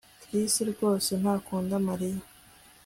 Chris rwose ntakunda Mariya